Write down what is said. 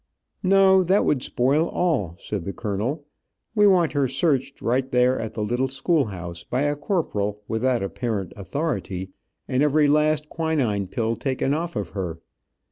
"No, that would spoil all," said the colonel. "We want her searched right there at the little school house, by a corporal without apparent authority, and every last quinine pill taken off of her.